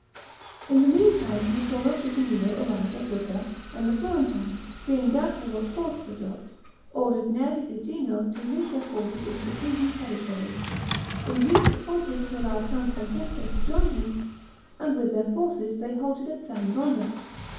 In the meantime Niccolo Piccinino arrived at Lucca, and the Florentines, being doubtful what course to adopt, ordered Neri di Gino to lead their forces into the Pisan territory, induced the pontiff to allow Count Francesco to join him, and with their forces they halted at San Gonda.